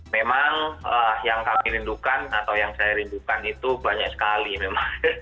memang yang kami rindukan atau yang saya rindukan itu banyak sekali memang